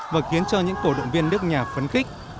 và khiến cho những cổ động viên nước nhà phấn khích